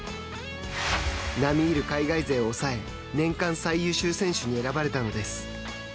並みいる海外勢を抑え年間最優秀選手に選ばれたのです。